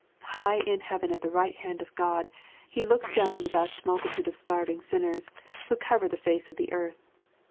High in heaven at the right hand of God, He looks down on the vast multitude of starving sinners, who cover the face of the earth.